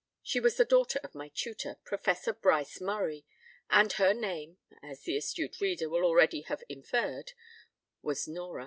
She was the daughter of my tutor, Professor Bryce Murray, and her name (as the astute reader will already have inferred) was Nora.